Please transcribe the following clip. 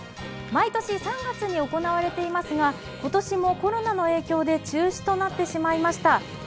毎年、３月に行われていますが、今年もコロナの影響で中止となってしまいました。